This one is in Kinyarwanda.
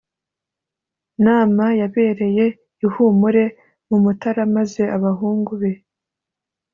nama yabereye i Humure mu Mutara maze abahungu be